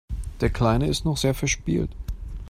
Der Kleine ist noch sehr verspielt.